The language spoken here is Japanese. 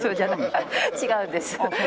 違うんです。